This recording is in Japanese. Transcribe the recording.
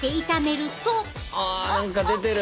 あ何か出てる！